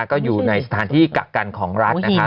ก็อยู่ในสถานที่กักกันของรัฐนะคะ